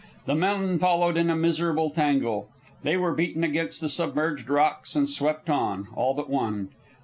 The men followed in a miserable tangle. They were beaten against the submerged rocks and swept on, all but one.